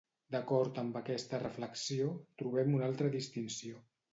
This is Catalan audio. D’acord amb aquesta reflexió trobem una altra distinció.